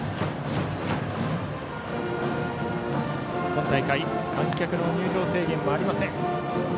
今大会、観客の入場制限はありません。